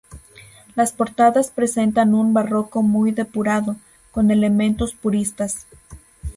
Las portadas presentan un barroco muy depurado, con elementos puristas.